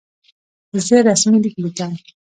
زه رسمي لیک لیکم.